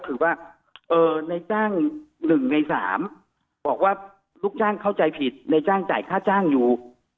คือว่าในจ้าง๑ใน๓บอกว่าลูกจ้างเข้าใจผิดในจ้างจ่ายค่าจ้างอยู่